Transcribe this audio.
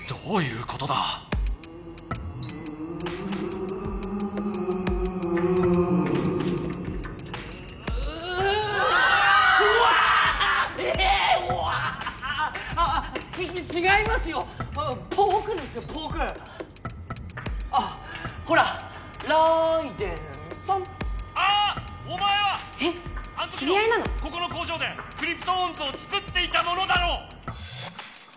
ここの工場でクリプトオンズをつくっていたものだろ！